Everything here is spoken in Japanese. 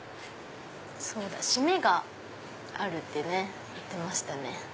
そうだ締めがあるって言ってましたね。